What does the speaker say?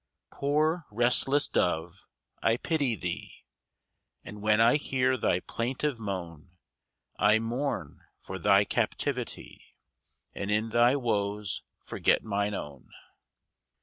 Poor restless dove, I pity thee; And when I hear thy plaintive moan, I mourn for thy captivity, And in thy woes forget mine own.